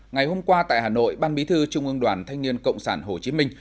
ngày hôm qua tại hà nội ban bí thư trung ương đoàn thanh niên cộng sản hồ chí minh